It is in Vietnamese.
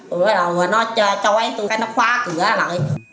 rồi nó cho em tôi cái nó khoa cửa lại